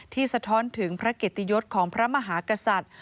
สะท้อนถึงพระเกียรติยศของพระมหากษัตริย์